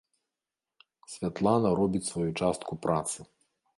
Святлана робіць сваю частку працы.